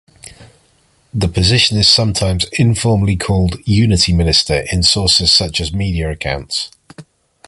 The position is sometimes informally called "unity minister" in sources such as media accounts.